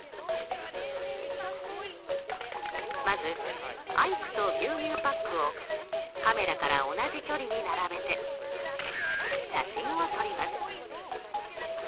まずアイクと牛乳パックをカメラから同じ距離に並べて写真を撮ります。